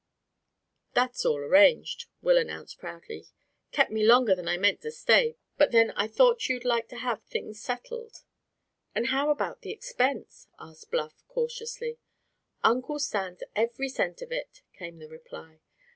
"That's all arranged," Will announced proudly. "Kept me longer than I meant to stay; but then I thought you'd like to have things settled." "And how about the expense?" asked Bluff cautiously. "Uncle stands every cent of it!" came the reply.